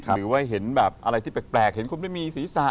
หรือว่าเห็นแบบอะไรที่แปลกเห็นคนไม่มีศีรษะ